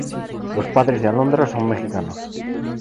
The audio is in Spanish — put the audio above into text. Los padres de Alondra son mexicanos.